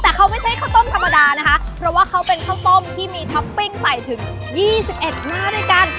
แต่เขาไม่ใช่ข้าวต้มธรรมดานะคะเพราะว่าเขาเป็นข้าวต้มที่มีท็อปปิ้งใส่ถึง๒๑หน้าด้วยกัน